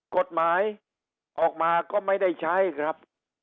กฎหมายออกมาก็ไม่ได้ใช้ครับ